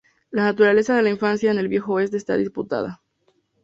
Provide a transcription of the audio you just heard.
La naturaleza de la infancia en el Viejo Oeste está disputada.